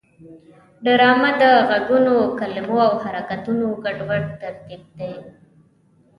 ډرامه د غږونو، کلمو او حرکتونو ګډوډ ترکیب دی